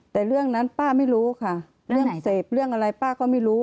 แต่เรื่องนั้นป้าไม่รู้ค่ะเรื่องเสพเรื่องอะไรป้าก็ไม่รู้